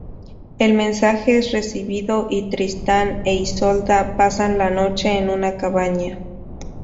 El mensaje es recibido y Tristán e Isolda pasan la noche en una cabaña.